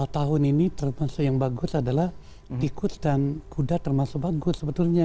tahun ini termasuk yang bagus adalah tikus dan kuda termasuk bagus sebetulnya